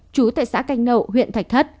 trú tại xã canh nậu huyện thạch thất